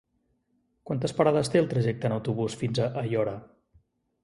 Quantes parades té el trajecte en autobús fins a Aiora?